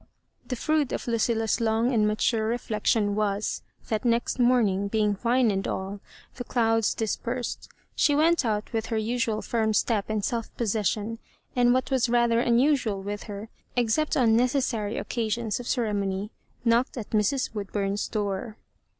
Thb fhiit of Lucilla's long and mature reflection was, that, next morning being fine and all the clouds dispersed, she went out with her usual firm step and self possession, and, what was rather unusual with her, except on necessary occasions of ceremony knocked at Mrs. Woodbum's door.